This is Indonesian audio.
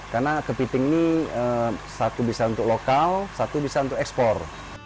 karena kepiting ini satu bisa untuk lokal satu bisa untuk ekspor